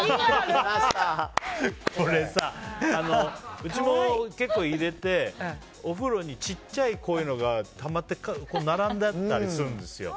これさ、うちも結構入れてお風呂に小さいこういうのがたまって並んであったりするんですよ。